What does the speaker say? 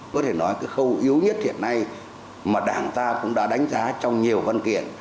có thể nói cái khâu yếu nhất hiện nay mà đảng ta cũng đã đánh giá trong nhiều văn kiện